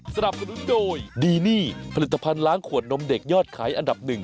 สวัสดีค่ะ